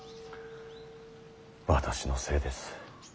私のせいです。